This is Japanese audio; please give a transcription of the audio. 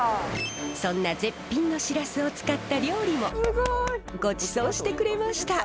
そんな絶品のシラスを使った料理もごちそうしてくれました。